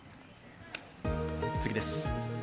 次です。